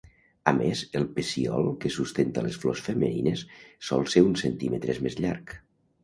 A més, el pecíol que sustenta les flors femenines sol ser uns centímetres més llarg.